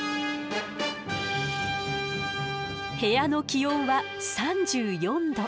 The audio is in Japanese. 部屋の気温は３４度。